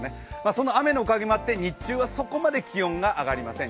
その雨のおかげもあって日中はそこまで気温が上がりません。